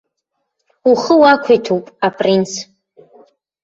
Ухы уақәиҭуп, апринц.